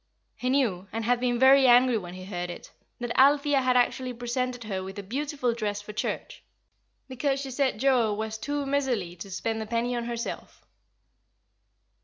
He knew, and had been very angry when he heard it, that Althea had actually presented her with a beautiful dress, for church; because she said Joa was too miserly to spend a penny on herself.